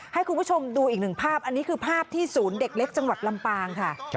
ให้คุณผู้ชมดูอีกหนึ่งภาพอันนี้คือภาพที่ศูนย์เด็กเล็กจังหวัดลำปางค่ะ